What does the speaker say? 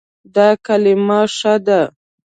دا کلمه ښه ده